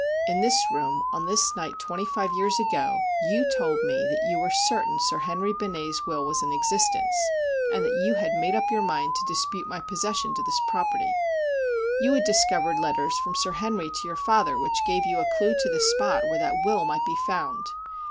In this room, on this night, twenty five years ago, you told me that you were certain Sir Henry Benet's will was in existence, and that you had made up your mind to dispute my possession to this property. You had discovered letters from Sir Henry to your father which gave you a clue to the spot where that will might be found.